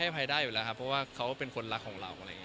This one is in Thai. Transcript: ภัยได้อยู่แล้วครับเพราะว่าเขาเป็นคนรักของเราอะไรอย่างนี้